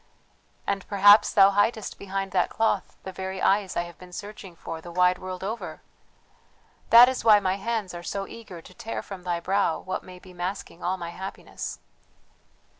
"And perhaps thou hidest behind that cloth the very eyes I have been searching for the wide world over! that is why my hands are so eager to tear from thy brow what may be masking all my happiness!"